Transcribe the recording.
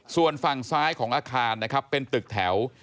ส่วนฝั่งซ้ายของอาคารนะครับเป็นตึกแถว